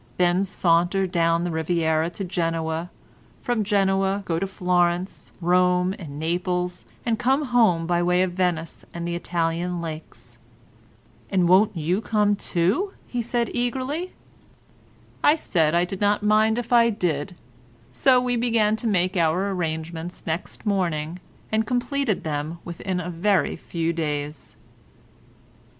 Then saunter down the Riviera to Genoa—from Genoa go to Florence, Rome and Naples, and come home by way of Venice and the Italian lakes." "And won't you come too?" said he, eagerly. I said I did not mind if I did, so we began to make our arrangements next morning, and completed them within a very few days.